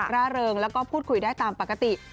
ร่าเริงแล้วก็พูดคุยได้ตามปกติ